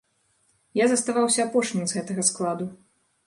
Я заставаўся апошнім з гэтага складу.